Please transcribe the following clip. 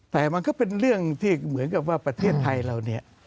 แต่มันก็เป็นเรื่องที่เหมือนกับว่าประเทศไทยเราเนี่ย